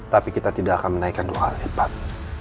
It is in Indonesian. tapi kita tidak akan menaikkan dua kali lipat